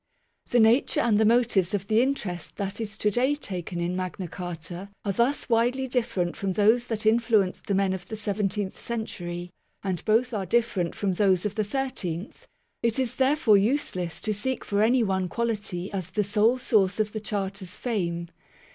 The nature and the motives of the interest that is to day taken in Magna Carta are thus widely different from those that influenced the men of the seventeenth century, and both are different from those of the thirteenth ; it is therefore useless to seek for any one quality as the sole source of the Charter's fame.